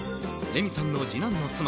レミさんの次男の妻